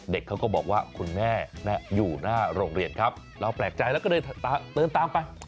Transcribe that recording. เขาก็บอกว่าคุณแม่อยู่หน้าโรงเรียนครับเราแปลกใจแล้วก็เดินตามไป